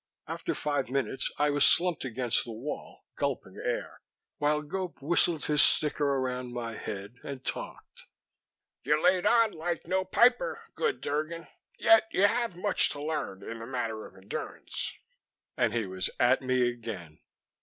After five minutes I was slumped against the wall, gulping air, while Gope whistled his sticker around my head and talked. "You laid on like no piper, good Drgon. Yet have you much to learn in the matter of endurance." And he was at me again.